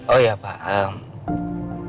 oh ya pak